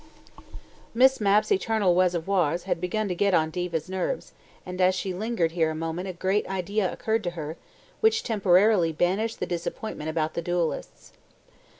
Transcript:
Miss Mapp's eternal reservoirs had begun to get on Diva's nerves, and as she lingered here a moment more a great idea occurred to her, which temporarily banished the disappointment about the duellists.